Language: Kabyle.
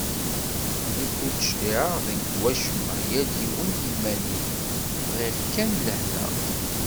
Nekk ur d-cliɛeɣ deg wacemma, yal yiwen i yiman-is, bɣiɣ kan lehna.